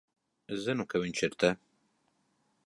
Es zinu, ka viņš ir te.